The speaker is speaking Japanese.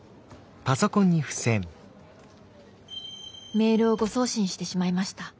「メールを誤送信してしまいました。